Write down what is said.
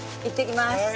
いってきます。